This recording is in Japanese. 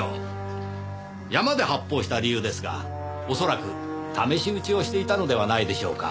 山で発砲した理由ですが恐らく試し撃ちをしていたのではないでしょうか。